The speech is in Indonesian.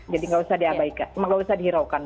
jadi nggak usah diabaikan nggak usah dihiraukan